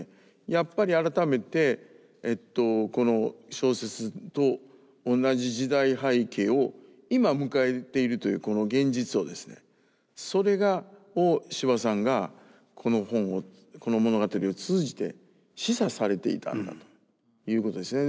やっぱり改めてこの小説と同じ時代背景を今迎えているというこの現実をですねそれを司馬さんがこの本をこの物語を通じて示唆されていたんだということですね。